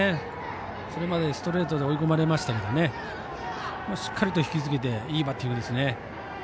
それまでストレートで追い込まれましたけどしっかり引き付けていいバッティングですね。